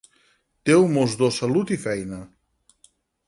Déu mos do salut i feina.